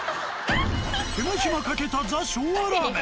手間暇かけたＴｈｅ昭和ラーメン